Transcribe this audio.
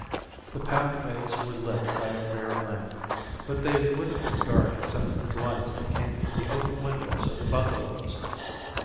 The pathways were lit by a rare lamp, but they would have been dark except for the lights that came from the open windows of the bungalows.